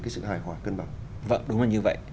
sự hài hỏi cân bằng